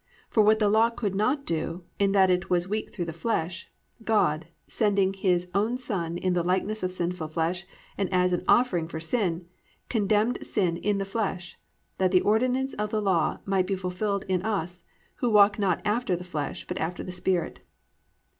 For what the law could not do, in that it was weak through the flesh, God, sending his own Son in the likeness of sinful flesh and as an offering for sin, condemned sin in the flesh: that the ordinance of the law might be fulfilled in us, who walk not after the flesh, but after the Spirit."